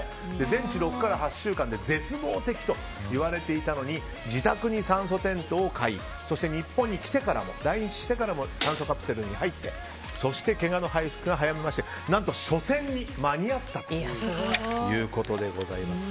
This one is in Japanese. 全治６から８週間で絶望的と言われていたのに自宅に酸素テントを買いそして日本に来日してからも酸素カプセルに入ってけがの回復が早まりまして何と初戦に間に合ったということでございます。